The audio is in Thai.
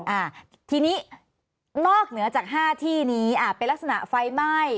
อ่าทีนี้นอกเหนือจากห้าที่นี้อ่าเป็นลักษณะไฟไหม้